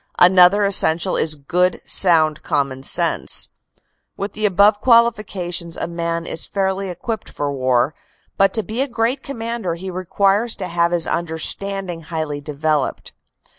Another essential is good, sound common sense. With the above qualifications a man is fairly equipped for war, but to be a great commander he requires to have his understanding highly developed.